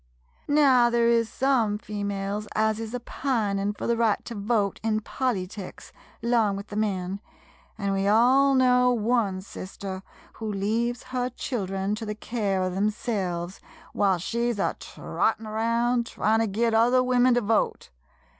Now, there is some females as is a pinin' fur the right to vote in polyticks, 'long with the men, an' we all know one sister who leaves her children to the care of umselves, whilst she 's a trottin' round, tryin' to git other women to vote.